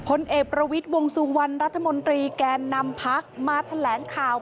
ผลเอกประวิทย์วงสุวรรณรัฐมนตรีแกนนำพักมาแถลงข่าว